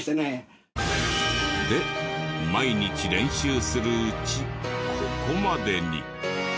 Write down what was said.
で毎日練習するうちここまでに。